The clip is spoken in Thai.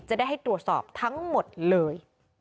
จะได้ให้ตรวจสอบทั้งหมดเลย